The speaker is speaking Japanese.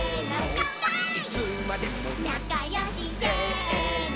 「なかよし」「せーの」